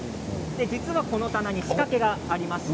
実はこの棚、仕掛けがあります。